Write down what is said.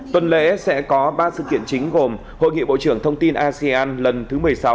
tuần lễ sẽ có ba sự kiện chính gồm hội nghị bộ trưởng thông tin asean lần thứ một mươi sáu